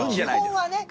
基本はね。